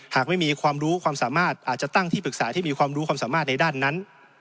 หากไม่มีความรู้ความสามารถอาจจะตั้งที่ปรึกษาที่มีความรู้ความสามารถในด้านนั้น